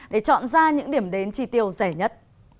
để chọn ra những điểm đến chi tiêu rẻ nhất